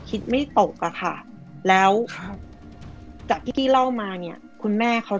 คิดไม่ตกอะค่ะแล้วครับจากที่กี้เล่ามาเนี่ยคุณแม่เขา